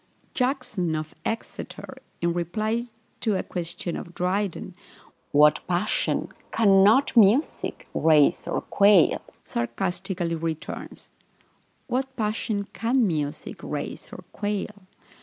Jackson of Exeter, in reply to a question of Dryden, "What passion cannot music raise or quell?" sarcastically returns, "What passion can music raise or quell?"